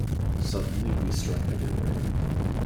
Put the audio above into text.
Suddenly we struck everywhere.